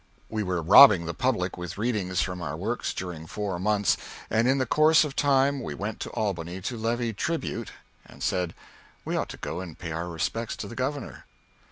We were robbing the public with readings from our works during four months and in the course of time we went to Albany to levy tribute, and I said, "We ought to go and pay our respects to the Governor."